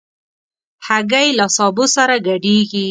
هګۍ له سابه سره ګډېږي.